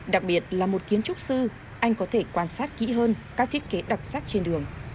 đặc biệt là một kiến trúc sư anh có thể quan sát kỹ hơn các thiết kế đặc sắc trên đường